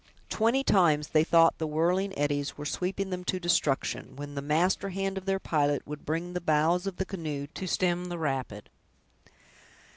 Twenty times they thought the whirling eddies were sweeping them to destruction, when the master hand of their pilot would bring the bows of the canoe to stem the rapid.